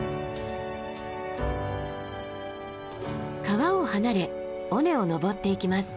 川を離れ尾根を登っていきます。